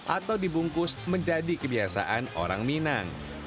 atau dibungkus menjadi kebiasaan orang minang